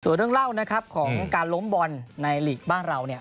ส่วนเรื่องเล่านะครับของการล้มบอลในหลีกบ้านเราเนี่ย